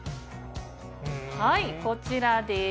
はいこちらです。